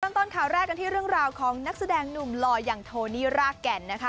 เริ่มต้นข่าวแรกที่เรื่องราวของนักแสดงหนุ่มหลอยอย่างโทนี่รากแก่น